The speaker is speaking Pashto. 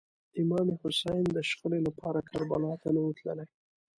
امام حسین د شخړې لپاره کربلا ته نه و تللی.